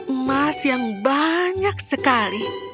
emas yang banyak sekali